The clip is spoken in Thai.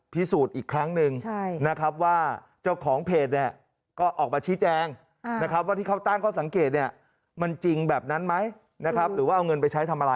เพราะว่าผมก็เป็นพนักงานคนหนึ่งครับ